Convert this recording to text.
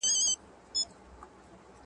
د زعفرانو ګل د دښتې ښکلا زیاتوي.